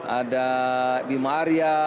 ada ibi ma'aria